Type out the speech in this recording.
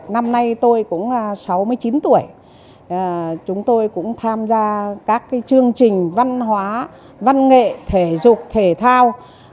năm nay tôi cũng sáu mươi chín tuổi chúng tôi cũng tham gia các chương trình văn hóa văn nghệ thể dục thể thao